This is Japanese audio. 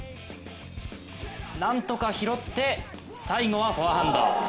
なんとか拾って最後はフォアハンド。